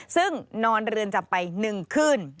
ซึ่งนอนเรือนจำไปหนึ่งครึ่ง